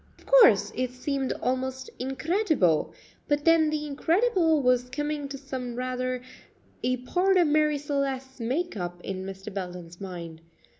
Of course it seemed almost incredible, but then the "incredible" was coming to seem rather a part of Marie Celeste's make up in Mr. Belden's mind.